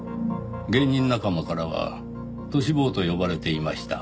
芸人仲間からはトシ坊と呼ばれていました。